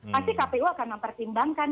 pasti kpu akan mempertimbangkan